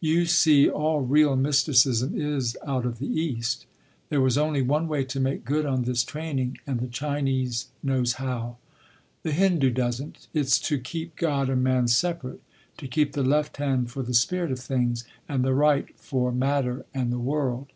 You see all real mysticism is out of the East. There was only one way to make good on this training and the Chinese knows how. The Hindu doesn’t. It’s to keep God and man separate, to keep the left hand for the spirit of things and the right for matter and the world.